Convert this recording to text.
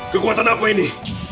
kekuatan apa ini